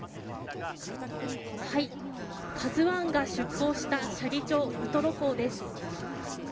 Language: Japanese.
ＫＡＺＵ１が出港した斜里町、ウトロ港です。